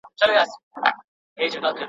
چړي پاچا سي پاچا ګدا سي ..